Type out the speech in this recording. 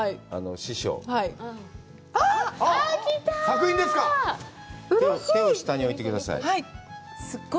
手を下に置いてください。